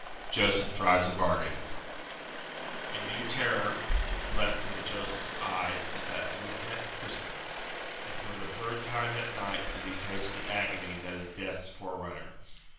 JOSEPH DRIVES A BARGAIN A new terror leapt into Joseph's eyes at that movement of Crispin's, and for the third time that night did he taste the agony that is Death's forerunner.